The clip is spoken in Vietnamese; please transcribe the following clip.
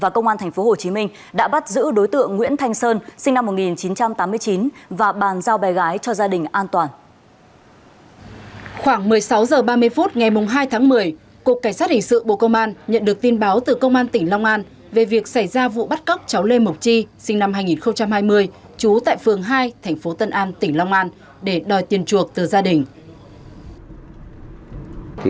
công an nhận được tin báo từ công an tỉnh long an về việc xảy ra vụ bắt cóc cháu lê mộc chi sinh năm hai nghìn hai mươi chú tại phường hai thành phố tân an tỉnh long an để đòi tiền chuộc từ gia đình